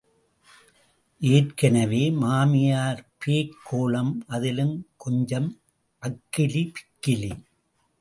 ஏற்கனவே மாமியார் பேய்க் கோலம் அதிலும் கொஞ்சம் அக்கிலி, பிக்கிலி.